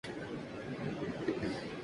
بیہودہ ہی سہی کسی قسم کا تھیٹر زندہ تو ہے۔